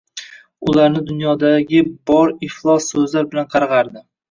Ularni dunyodagi bor iflos soʻzlar bilan qargʻardi.